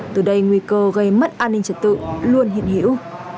từ đây nguy cơ gây mất an ninh trật tự luôn hiện hữu